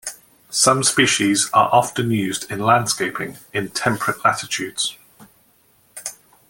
Some species are often used in landscaping in temperate latitudes.